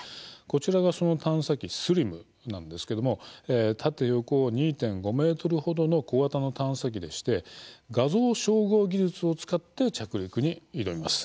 こちらが、その探査機「ＳＬＩＭ」なんですけども縦、横２．５ｍ程の小型の探査機でして画像照合技術を使って着陸に挑みます。